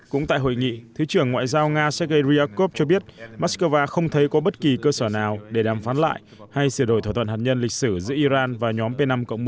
cũng tại hội nghị thứ trưởng ngoại giao nga sergei ryakov cho biết moscow không thấy có bất kỳ cơ sở nào để đàm phán lại hay sửa đổi thỏa thuận hạt nhân lịch sử giữa iran và nhóm p năm một